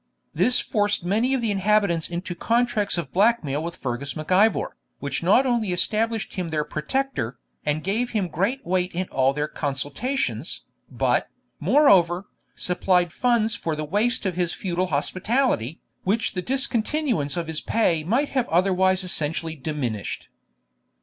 This forced many of the inhabitants into contracts of black mail with Fergus Mac Ivor, which not only established him their protector, and gave him great weight in all their consultations, but, moreover, supplied funds for the waste of his feudal hospitality, which the discontinuance of his pay might have otherwise essentially diminished.